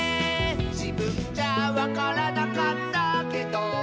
「じぶんじゃわからなかったけど」